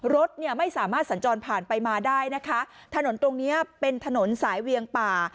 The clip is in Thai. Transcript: รถเนี่ยไม่สามารถสัญจรผ่านไปมาได้นะคะถนนตรงเนี้ยเป็นถนนสายเวียงป่า